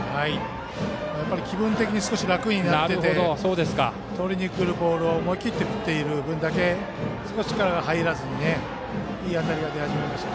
やっぱり気分的に少し楽になっていてとりにくるボールを思い切って振っているだけに少し力が入らずにいい当たりが出始めました。